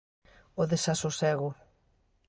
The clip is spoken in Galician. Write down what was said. O desasosego.